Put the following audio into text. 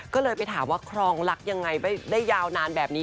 ก็เลยไปถามว่าครองรักยังไงได้ยาวนานแบบนี้